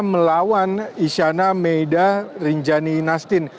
melawan isyana meidarin jalini nastin